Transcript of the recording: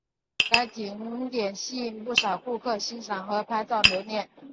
该景点吸引不少顾客欣赏和拍照留念。